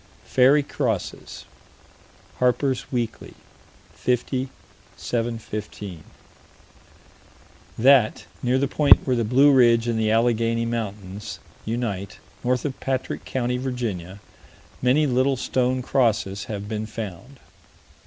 "Fairy crosses." Harper's Weekly, 50 715: That, near the point where the Blue Ridge and the Allegheny Mountains unite, north of Patrick County, Virginia, many little stone crosses have been found.